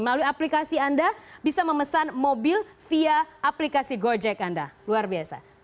melalui aplikasi anda bisa memesan mobil via aplikasi gojek anda luar biasa